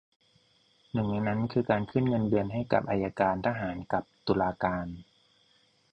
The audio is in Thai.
หนึ่งในนั้นคือการขึ้นเงินเดือนให้กับอัยการทหารกับตุลาการ